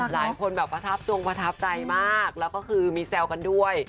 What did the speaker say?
หลายคนแบบประทับจงประทับใจมากแล้วก็คือมีแซวกันด้วย